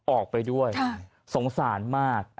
ออกไปด้วยสงสารมาก